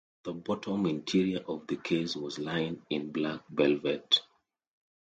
The bottom interior of the case was lined in black velvet.